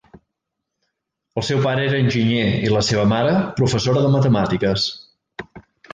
El seu pare era enginyer i la seva mare, professora de matemàtiques.